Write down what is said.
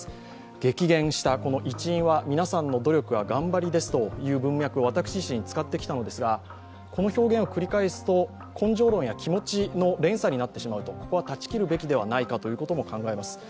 激減した一因は皆さんの努力や頑張りですという文脈を私自身使ってきたのですがこの表現を繰り返すと根性論や気持ちの連鎖になってしまう、ここは断ち切るべきではないかということも考えます。